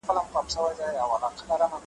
زما لا مغروره ککرۍ دروېزه نه قبلوي .